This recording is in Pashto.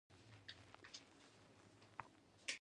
یو پر بل د خرڅلاو جمعه بازار لګېدلی دی.